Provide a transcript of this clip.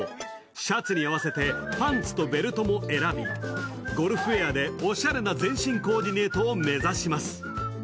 シャツに合わせてパンツとベルトも選び、ゴルフウエアでおしゃれな全身コーディネートを目指します。